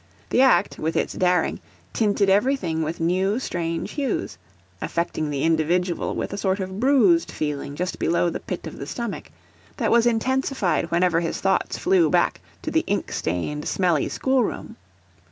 The act, with its daring, tinted everything with new, strange hues; affecting the individual with a sort of bruised feeling just below the pit of the stomach, that was intensified whenever his thoughts flew back to the ink stained, smelly schoolroom.